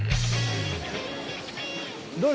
どれ？